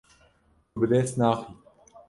Tu bi dest naxî.